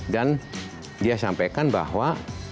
dan dia sampaikan bahwa